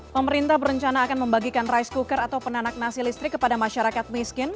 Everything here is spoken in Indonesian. pemerintah berencana akan membagikan rice cooker atau penanak nasi listrik kepada masyarakat miskin